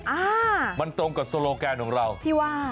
อ่ามันตรงกับโซโลแกนของเราที่ว่า